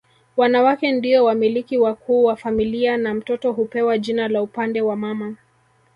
Wanawake ndio wamiliki wakuu wa familia na mtoto hupewa jina la upande wa mama